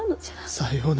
さような。